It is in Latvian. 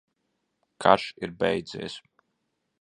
Karš ir beidzies!